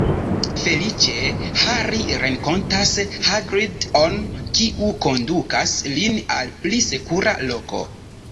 Feliĉe, Hari renkontas Hagrid-on, kiu kondukas lin al pli sekura loko.